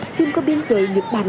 xuyên qua biên giới nước bản lạc